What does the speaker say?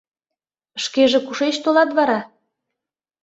— Шкеже кушеч толат вара?